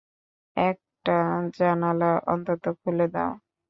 একটা জানালা অন্তত খুলে দাও।